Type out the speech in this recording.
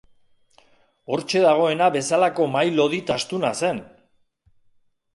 Hortxe dagoena bezalako mahai lodi eta astuna zen!